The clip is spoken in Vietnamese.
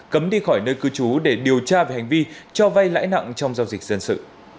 cấm đi khỏi nơi cư trú để điều tra về hành vi cho vay lãi nặng trong giao dịch dân sự